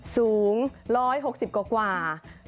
สูง๑๖๐กว่า